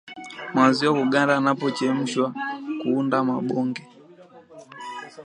Maziwa kuganda yanapochemshwa kuunda mabonge